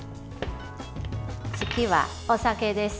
次は、お酒です。